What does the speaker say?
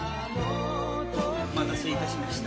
お待たせいたしました。